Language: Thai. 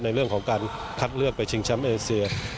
ในเรื่องของการคัดเลือกไปชิงแชมป์เอเซีย